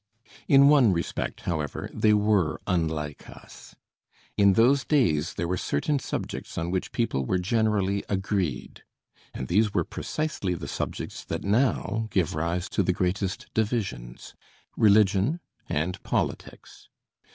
In one respect, however, they were unlike us. In those days there were certain subjects on which people were generally agreed, and these were precisely the subjects that now give rise to the greatest divisions, religion and politics.